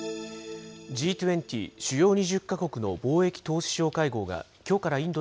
Ｇ２０・主要２０か国の貿易・投資相会合がきょうからインド